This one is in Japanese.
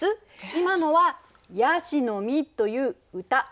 今のは「椰子の実」という歌。